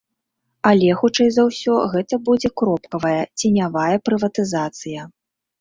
Але, хутчэй за ўсё, гэта будзе кропкавая, ценявая прыватызацыя.